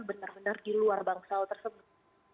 benar benar di luar bangsal tersebut